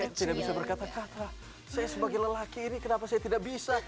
saya tidak bisa berkata kata saya sebagai lelaki ini kenapa saya tidak bisa